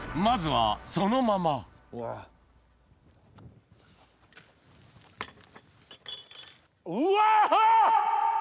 まずはそのままうわ。